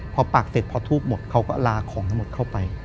พอปักเสร็จพอทูบหมดเขาก็ลาของทั้งหมดเข้าไป